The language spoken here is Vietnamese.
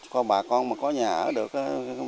có bà con mà có nhà ở được á